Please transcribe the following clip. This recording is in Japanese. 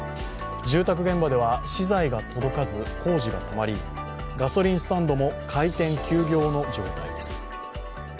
住宅現場では資材が届かず工事が止まり、ガソリンスタンドも開店休業の状態です。